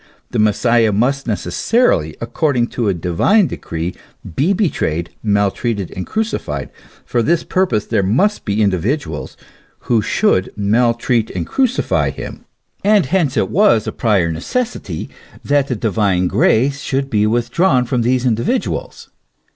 The Messiah must necessarily, according to a divine decree, be betrayed, mal treated and crucified. For this purpose there must be indivi duals who should maltreat and crucify him : and hence it was a prior necessity that the divine grace should be withdrawn from those individuals.